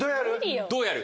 どうやる？